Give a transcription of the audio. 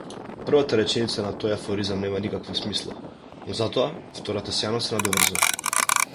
Првата реченица на тој афоризам нема никаква смисла, но затоа втората сјајно се надоврзува.